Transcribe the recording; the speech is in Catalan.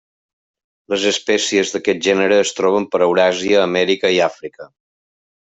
Les espècies d'aquest gènere es troben per Euràsia, Amèrica i Àfrica.